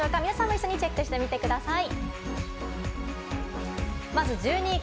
一緒にチェックしてみてください。